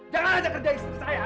jangan kerja istri saya